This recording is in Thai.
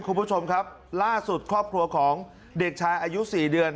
คุณผู้ชมครับล่าสุดครอบครัวของเด็กชายอายุ๔เดือน